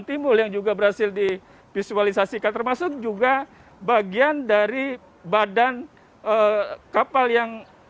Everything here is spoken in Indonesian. timbul yang juga berhasil divisualisasikan termasuk juga bagian dari badan kapal yang